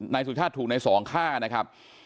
นายสุชาติถูกในสองฆ่านะครับ